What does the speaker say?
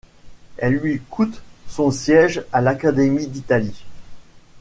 Elle lui coûte son siège à l'Académie d'Italie.